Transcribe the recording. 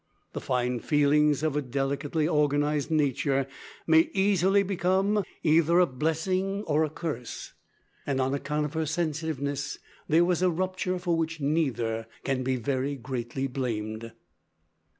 The fine feelings of a delicately organized nature may easily become either a blessing or a curse, and on account of her sensitiveness there was a rupture for which neither can be very greatly blamed.